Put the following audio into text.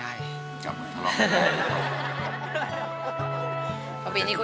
อันดับนี้เป็นแบบนี้